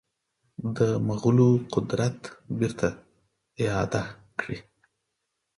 د مغولو قدرت بیرته اعاده کړي.